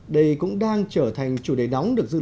đây cũng đang trở thành chủ đề nóng được dư luận